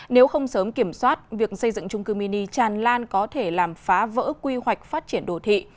nếu không sớm kiểm soát việc xây dựng trung cư mini tràn lan có thể làm phá vỡ quy hoạch phát triển đồ thị